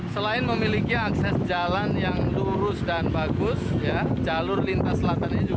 selain itu masuk wilayah purworejo